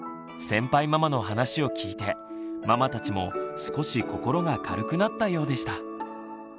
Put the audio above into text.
先輩ママの話を聞いてママたちも少し心が軽くなったようでした。